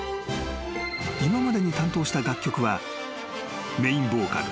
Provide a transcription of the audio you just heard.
［今までに担当した楽曲はメインボーカル